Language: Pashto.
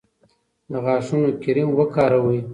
د غاښونو کریم وکاروئ.